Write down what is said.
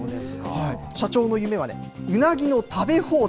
社長の夢はね、ウナギの食べ放題。